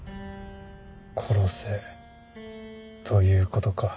殺せということか。